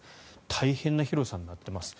大変な広さになっています。